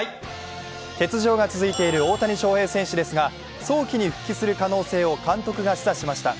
欠場が続いている大谷翔平選手ですが早期に復帰する可能性を監督が示唆しました。